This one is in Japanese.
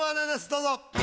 どうぞ。